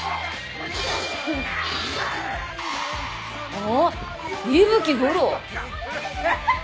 あっ伊吹吾郎。